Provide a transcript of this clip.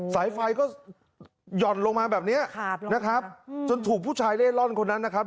สายไฟก็หย่อนลงมาแบบนี้นะครับจนถูกผู้ชายเล่ร่อนคนนั้นนะครับ